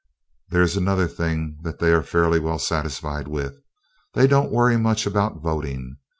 There is another thing that they are fairly well satisfied with: They don't worry much about voting.